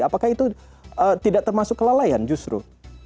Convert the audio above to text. apakah itu tidak termasuk kelalaian justru